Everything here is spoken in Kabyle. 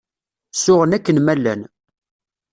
Suɣen akken ma llan.